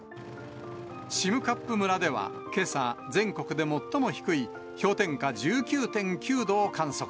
占冠村ではけさ、全国で最も低い氷点下１９．９度を観測。